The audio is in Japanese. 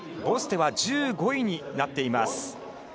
ボステは１５位になっています。